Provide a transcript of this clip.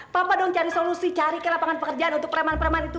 papa dong cari solusi cari ke lapangan pekerjaan untuk preman preman itu